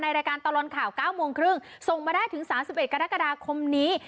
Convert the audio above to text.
รายการตลอดข่าว๙โมงครึ่งส่งมาได้ถึง๓๑กรกฎาคมนี้